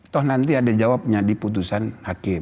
toh nanti ada jawabnya di putusan hakim